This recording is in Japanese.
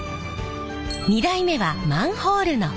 ２代目はマンホールの蓋。